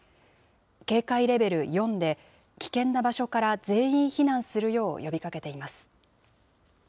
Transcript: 警戒レベル４で、危険な場所から全員避難するよう呼びかけています。